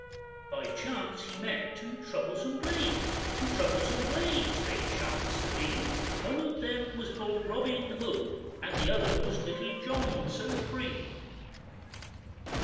By chance he met two troublesome blades, Two troublesome blades they chanced to be; The one of them was bold Robin Hood, And the other was Little John, so free.